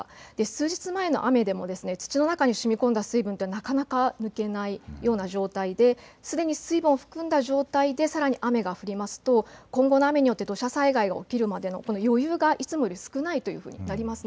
数日前の雨でも土の中にしみこんだ水分はなかなか抜けない状態ですでに水分を含んだ状態でさらに雨が降ると今後の雨によって土砂災害が起きるまでの余裕分がいつもより少なくなります。